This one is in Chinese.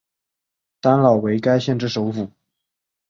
丹老为该县之首府。